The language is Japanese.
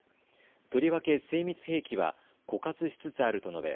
とりわけ精密兵器は枯渇しつつあると述べ